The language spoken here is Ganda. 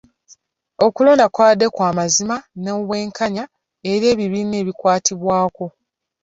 Okulonda kwabadde kwa mazima na bwenkanya eri ebibiina ebikwatibwako.